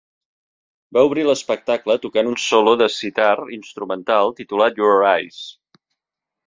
Va obrir l'espectacle tocant un solo de sitar instrumental titulat "Your Eyes".